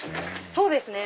そうですね。